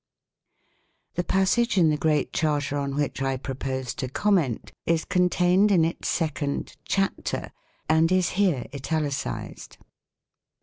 THE passage in the Great Charter on which I propose to comment is contained in its second "chapter," and is here italicized.